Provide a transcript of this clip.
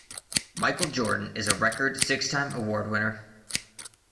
Michael Jordan is a record six-time award winner.